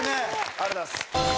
ありがとうございます。